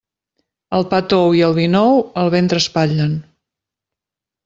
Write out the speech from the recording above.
El pa tou i el vi nou el ventre espatllen.